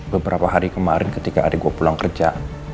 beberapa hari kemarin ketika adik gue pulang kerja